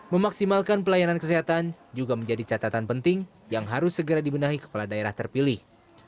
memaksimalkan pelayanan kesehatan juga menjadi catatan penting yang harus segera dibenahi kepala daerah terpilih